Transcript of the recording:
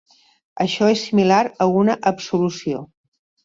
Això és similar a una absolució.